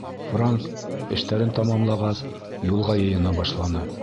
Франк, эштәрен тамамлағас, юлға йыйына башланы.